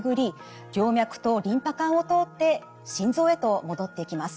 静脈とリンパ管を通って心臓へと戻っていきます。